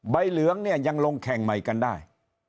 เหลืองเนี่ยยังลงแข่งใหม่กันได้